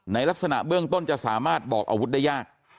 ลักษณะเบื้องต้นจะสามารถบอกอาวุธได้ยาก